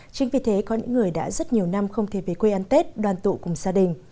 chính vì thế có những người đã rất nhiều năm không thể về quê ăn tết đoàn tụ cùng gia đình